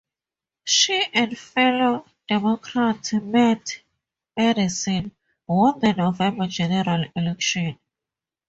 She and fellow Democrat Matt Eidson won the November general election.